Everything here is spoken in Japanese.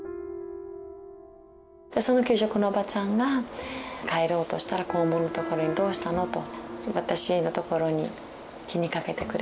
その給食のおばちゃんが帰ろうとしたら校門のところに「どうしたの」と私のところに気にかけてくれて。